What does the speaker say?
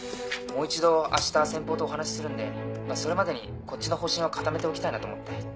もう一度明日先方とお話するんでそれまでにこっちの方針は固めておきたいなと思って。